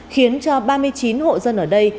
khiến cho ba mươi chín hộ dân ở đây